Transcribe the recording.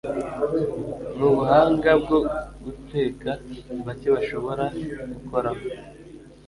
nubuhanga bwo guteka bake bashobora gukoraho